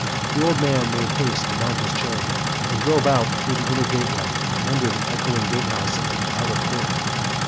The old man made haste to mount his chariot, and drove out through the inner gateway and under the echoing gatehouse of the outer court.